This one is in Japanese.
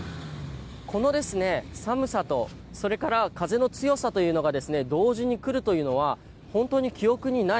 この寒さと、それから風の強さが同時に来るというのは本当に記憶にない。